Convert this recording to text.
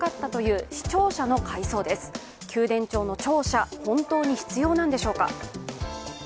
宮殿調の庁舎、本当に必要なんでしょうか。